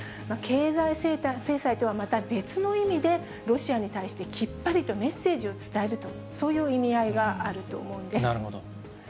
経済制裁とはまた別の意味で、ロシアに対して、きっぱりとメッセージを伝えると、そういう意味なるほど。